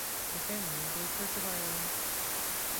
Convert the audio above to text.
The family were Church of Ireland.